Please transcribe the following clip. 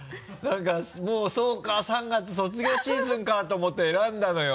もうそうか３月卒業シーズンかと思って選んだのよ。